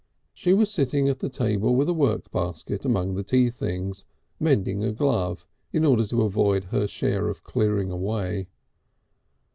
She was sitting at the table with a workbasket among the tea things, mending a glove in order to avoid her share of clearing away.